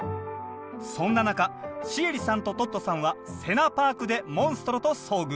そんな中シエリさんとトットさんはセナパークでモンストロと遭遇。